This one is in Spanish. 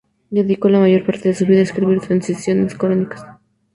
Dedicó la mayor parte de su vida a escribir y transcribir crónicas.